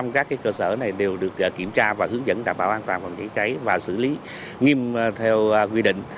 một trăm linh các cơ sở này đều được kiểm tra và hướng dẫn đảm bảo an toàn phòng cháy cháy và xử lý nghiêm theo quy định